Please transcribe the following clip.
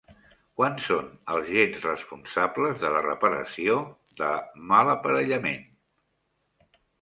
Quants són els gens responsables de la reparació de malaparellament?